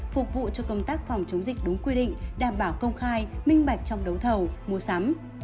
phục vụ cho công tác phòng chống dịch đúng quy định đảm bảo công khai minh bạch trong đấu thầu mua sắm